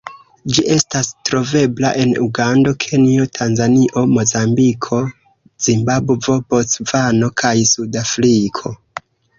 Ĝi estas trovebla en Ugando, Kenjo, Tanzanio, Mozambiko, Zimbabvo, Bocvano kaj Sud-Afriko.